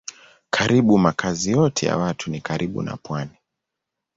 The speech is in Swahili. Karibu makazi yote ya watu ni karibu na pwani.